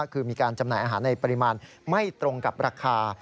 คือมีการจำหน่ายอาหารในปริมาณไม่ตรงกับราคา